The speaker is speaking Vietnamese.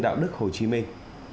đạo đức hồ chí minh